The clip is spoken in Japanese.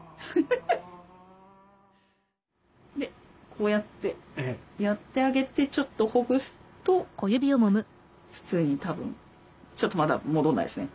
こうやってやってあげてちょっとほぐすと普通にたぶんちょっとまだ戻んないですね。